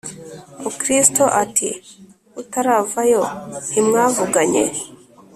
Mukristo ati: “Utaravayo, ntimwavuganye?